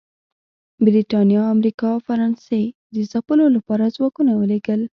برېټانیا، امریکا او فرانسې د ځپلو لپاره ځواکونه ولېږل